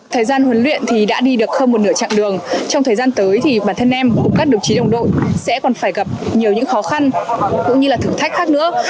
thời gian huấn luyện thì đã đi được hơn một nửa chặng đường trong thời gian tới thì bản thân em cũng các đồng chí đồng đội sẽ còn phải gặp nhiều những khó khăn cũng như là thử thách khác nữa